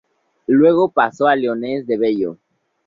Luego, pasó a Leones de Bello.